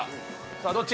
さあどっち？